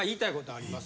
あります。